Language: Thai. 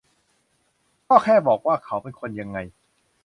ก็แค่บอกว่าเขาเป็นคนยังไง